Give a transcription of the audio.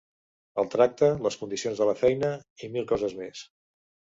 El tracte, les condicions de la feina… i mil coses més.